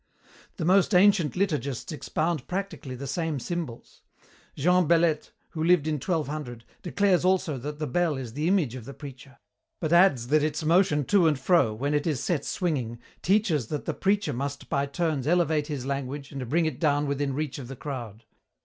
"The most ancient liturgists expound practically the same symbols. Jean Beleth, who lived in 1200, declares also that the bell is the image of the preacher, but adds that its motion to and fro, when it is set swinging, teaches that the preacher must by turns elevate his language and bring it down within reach of the crowd.